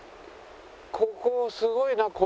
ここすごいな鯉。